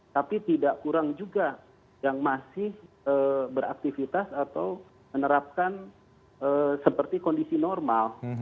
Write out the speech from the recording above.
tapi tidak kurang juga yang masih beraktivitas atau menerapkan seperti kondisi normal